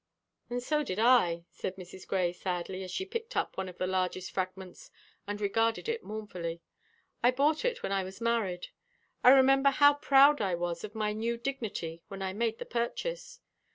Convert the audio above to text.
"And so did I," said Mrs. Grey, sadly, as she picked up one of the largest fragments and regarded it mournfully. "I bought it when I was married. I remember how proud I was of my new dignity when I made the purchase.